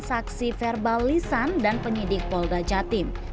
saksi verbal lisan dan penyidik polda jatim